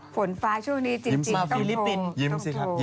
ส่วนฟ้าช่วงนี้จิบก้องโถ